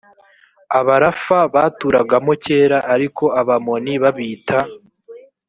abarafa baturagamo kera ariko abamoni babita